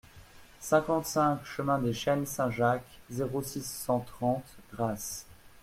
cinquante-cinq chemin des Chênes Saint-Jacques, zéro six, cent trente, Grasse